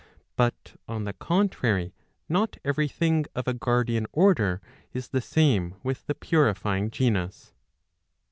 But on the contrary, not every thing of a guardian order is the same with the purifying genus.